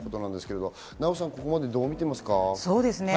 ナヲさん、ここまでどうみていますか。